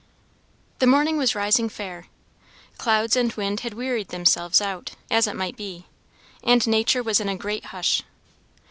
The morning was rising fair. Clouds and wind had wearied themselves out, as it might be; and nature was in a great hush.